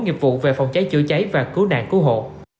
nghiệp vụ về phòng cháy chữa cháy và cứu nạn cứu hộ